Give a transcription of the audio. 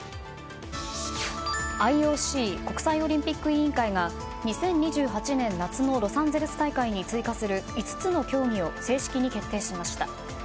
ＩＯＣ・国際オリンピック委員会が２０２８年夏のロサンゼルス大会に追加する５つの競技を正式に決定しました。